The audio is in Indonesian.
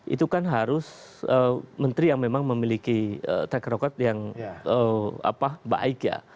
itu kan harus menteri yang memang memiliki track record yang baik ya